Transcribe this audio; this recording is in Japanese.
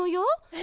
え？